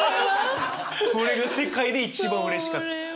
これが世界で一番うれしかった。